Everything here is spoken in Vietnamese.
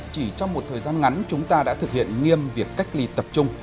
chỉ trong một thời gian ngắn chúng ta đã thực hiện nghiêm việc cách ly tập trung